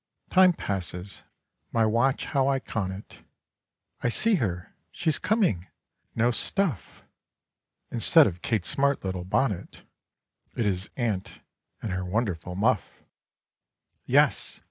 Time passes, my watch how I con it, I see her—she's coming—no, stuff! Instead of Kate's smart little bonnet, It is aunt and her wonderful muff! (Yes!